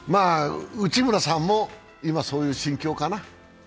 内村さんも今、そういう心境かな。